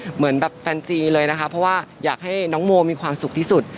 เหมือนแบบแฟนจีเลยนะคะเพราะว่าอยากให้น้องโมมีความสุขที่สุด